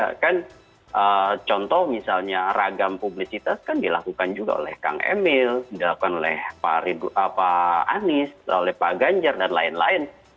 ya kan contoh misalnya ragam publisitas kan dilakukan juga oleh kang emil dilakukan oleh pak anies oleh pak ganjar dan lain lain